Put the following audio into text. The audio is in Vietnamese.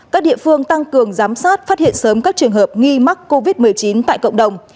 các địa phương tăng cường giám sát phát hiện sớm các trường hợp nghi mắc covid một mươi chín tại cộng đồng